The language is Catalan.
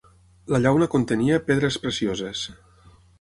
La llauna contenia pedres precioses.